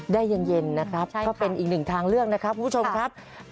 ได้เย็นนะครับก็เป็นอีกหนึ่งทางเลือกนะครับคุณผู้ชมครับ